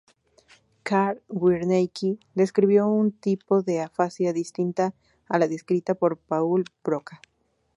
Carl Wernicke, describió un tipo de afasia distinta a la descrita por Paul Broca.